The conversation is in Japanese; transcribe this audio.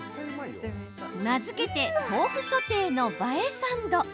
名付けて豆腐ソテーの映えサンド。